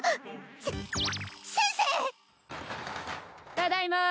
ただいま。